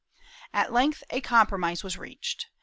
^ At length a compromise was reached.